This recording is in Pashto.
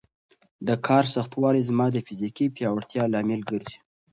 د کار سختوالی زما د فزیکي پیاوړتیا لامل ګرځي.